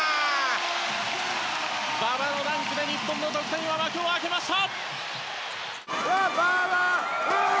馬場のダンクで日本の得点は幕を開けました！